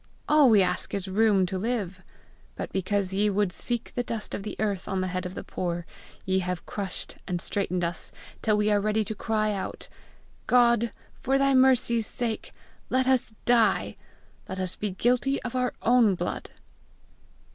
All we ask is room to live! But because ye would see the dust of the earth on the head of the poor, ye have crushed and straitened us till we are ready to cry out, 'God, for thy mercy's sake, let us die, lest we be guilty of our own blood!'"